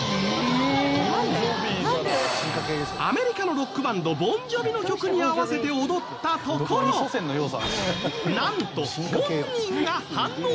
アメリカのロックバンドボン・ジョヴィの曲に合わせて踊ったところなんと本人が反応！